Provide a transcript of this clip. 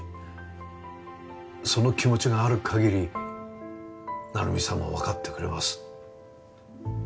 その気持ちがある限り成美さんはわかってくれます。